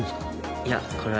いやこれは。